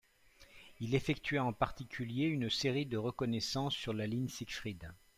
Il effectua en particulier une série de reconnaissances sur la ligne Siegfried.